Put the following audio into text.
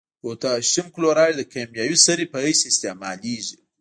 پوتاشیم کلورایډ د کیمیاوي سرې په حیث استعمالیږي.